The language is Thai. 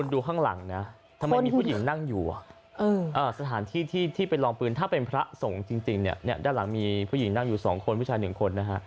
ดูข้างหลังนะทำไมมีผู้หญิงนั่งอยู่สถานที่ที่ไปลองปืนถ้าเป็นพระสงฆ์จริงเนี่ยด้านหลังมีผู้หญิงนั่งอยู่๒คนผู้ชาย๑คนนะฮะ